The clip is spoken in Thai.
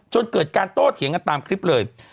จนเกิดการโต้เถียงกันตามคลิปเลย